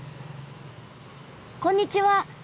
こんにちは。